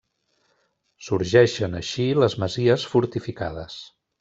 Sorgeixen així les masies fortificades.